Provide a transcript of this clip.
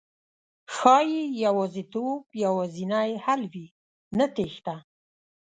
ښایي يوازېتوب یوازېنی حل وي، نه تېښته